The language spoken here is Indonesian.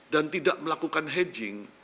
dan tidak melakukan hedging